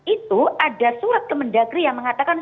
itu ada surat kemendagri yang mengatakan